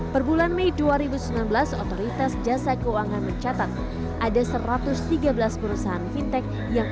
perbulan mei dua ribu sembilan belas otoritas jasa keuangan mencatat ada satu ratus tiga belas perusahaan fintech yang